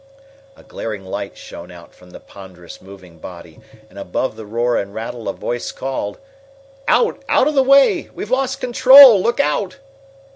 A glaring light shone out from the ponderous moving body, and above the roar and rattle a voice called: "Out out of the way! We've lost control! Look out!"